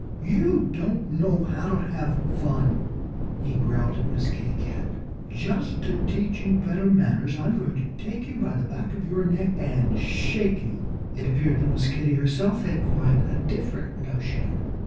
"You don't know how to have fun," he growled at Miss Kitty Cat. "Just to teach you better manners I'm going to take you by the back of your neck and shake you." It appeared that Miss Kitty herself had quite a different notion.